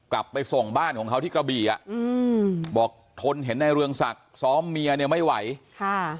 กลับไปส่งบ้านของเขาที่กระบี่อ่ะอืมบอกทนเห็นในเรืองศักดิ์ซ้อมเมียเนี่ยไม่ไหวค่ะ